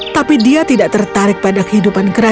tapi dia tidak tertarik pada kehidupan kerajaan